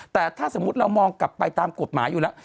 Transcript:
แต่ถ้าสมมุติเรามองกลับไปตามกฎหมายอยู่แล้ว